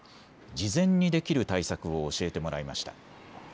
事前にできる対策を教えてもらいました。